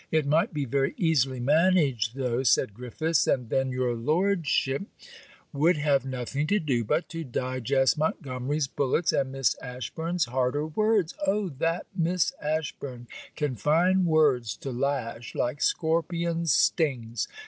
'It might be very easily managed though,' said Griffiths; 'and then your Lordship ' 'Would have nothing to do but to digest Montgomery's bullets and Miss Ashburn's harder words. Oh that Miss Ashburn can find words to lash like scorpion's stings!